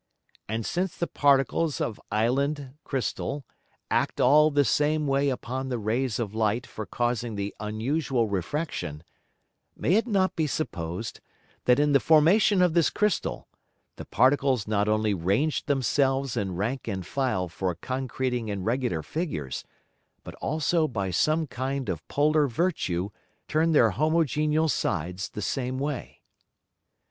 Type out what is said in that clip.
And since the Particles of Island Crystal act all the same way upon the Rays of Light for causing the unusual Refraction, may it not be supposed that in the Formation of this Crystal, the Particles not only ranged themselves in rank and file for concreting in regular Figures, but also by some kind of polar Virtue turned their homogeneal Sides the same way.